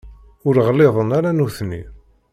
Ur ɣliḍen ara nutni.